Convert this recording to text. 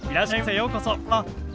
ようこそ。